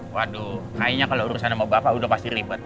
waduh kayaknya kalau urusan sama bapak udah pasti ribet